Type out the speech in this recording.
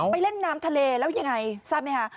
เล่นน้ำทะเลแล้วยังไงทราบไหมคะ